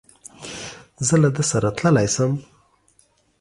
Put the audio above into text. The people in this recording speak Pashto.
زه له ده سره تللای سم؟